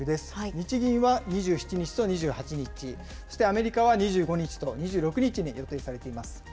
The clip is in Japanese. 日銀は２７日と２８日、そしてアメリカは２５日と２６日に予定されています。